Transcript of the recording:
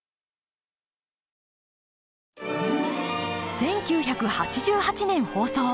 １９８８年放送。